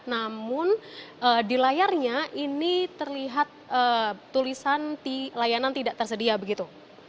namun di layarnya ini terlihat tulisan layanan tidak tersedia begitu